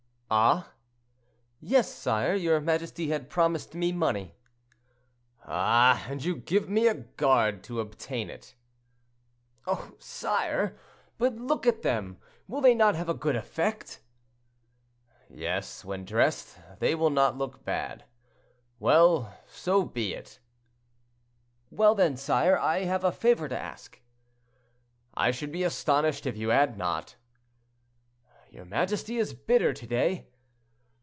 "Ah!" "Yes, sire; your majesty had promised me money." "Ah! and you give me a guard to obtain it." "Oh! sire. But look at them; will they not have a good effect?" "Yes, when dressed, they will not look bad. Well, so be it." "Well, then, sire, I have a favor to ask." "I should be astonished if you had not." "Your majesty is bitter to day."